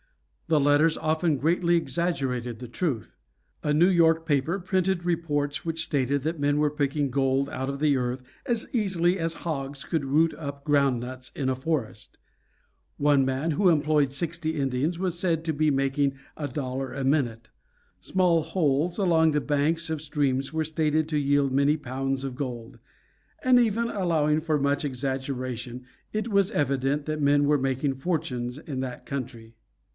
The letters often greatly exaggerated the truth. A New York paper printed reports which stated that men were picking gold out of the earth as easily as hogs could root up groundnuts in a forest. One man, who employed sixty Indians, was said to be making a dollar a minute. Small holes along the banks of streams were stated to yield many pounds of gold. But even allowing for much exaggeration it was evident that men were making fortunes in that country.